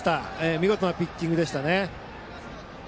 見事なピッチングでしたね。